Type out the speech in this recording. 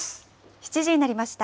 ７時になりました。